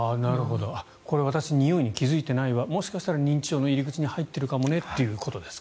これ、私においに気付いてないわもしかしたら認知症の入り口に入ってるかもねということですか。